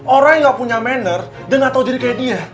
orang yang gak punya maner dan gak tau diri kayak dia